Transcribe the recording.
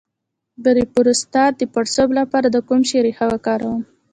د پروستات د پړسوب لپاره د کوم شي ریښه وکاروم؟